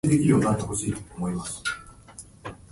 はあら、ま